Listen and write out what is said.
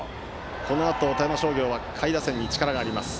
このあと富山商業は下位打線に力があります。